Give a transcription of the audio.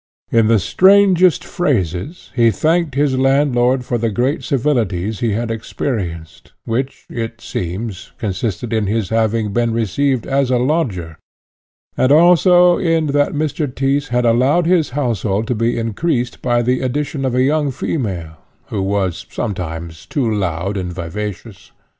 In the strangest phrases he thanked his landlord for the great civilities he had experienced, which, it seems, consisted in his having been received as a lodger, and also in that Mr. Tyss had allowed his household to be increased by the addition of a young female, who was sometimes too loud and vivacious.